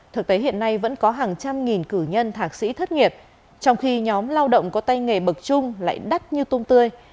thực tế hiện nay vẫn có hàng trăm nghìn cử nhân thạc sĩ thất nghiệp trong khi nhóm lao động có tay nghề bậc chung lại đắt như tôm tươi